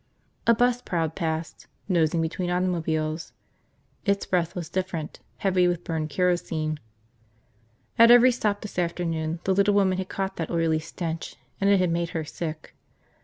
A bus prowled past, nosing between automobiles. Its breath was different, heavy with burned kerosene. At every stop this afternoon the little woman had caught that oily stench and it had made her sick.